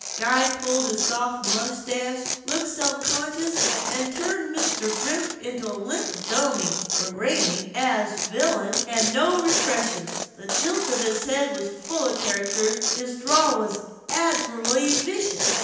Guy pulled his soft mustache, looked self conscious, and turned Mr. Grimm into a limp dummy. But Raymie, as the villain, had no repressions. The tilt of his head was full of character; his drawl was admirably vicious.